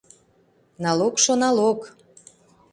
Налогшо налог...